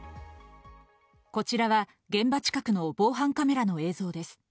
こちらは現場近くの防犯カメラの映像です。